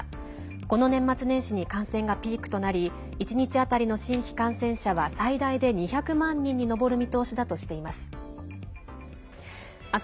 この年末年始に感染がピークとなり１日当たりの新規感染者は最大で２００万人に上る見通しだとしています。